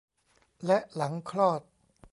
และหลังคลอด